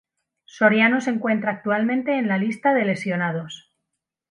Soriano se encuentra actualmente en la lista de lesionados.